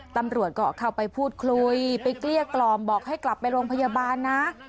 ตำรวจก็เข้าไปพูดคุยไปเกลี้ยกล่อมบอกให้กลับไปโรงพยาบาลนะ